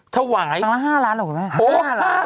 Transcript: ถวายละ๕ล้านหรอกไหม